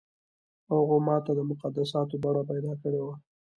هغو ماته د مقدساتو بڼه پیدا کړې وه.